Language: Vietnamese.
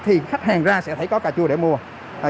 thì khách hàng ra sẽ phải có cà chua để mua